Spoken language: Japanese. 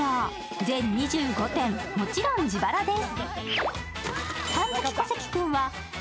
全２５点、もちろん自腹です。